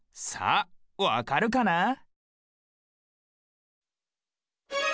さあわかるかな？